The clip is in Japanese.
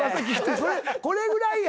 これぐらいや。